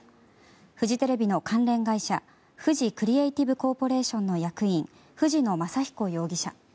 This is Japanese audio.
フジテレビの関連会社フジクリエイティブコーポレーションの役員藤野昌彦容疑者。